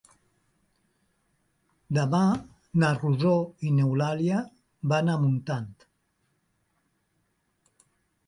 Demà na Rosó i n'Eulàlia van a Montant.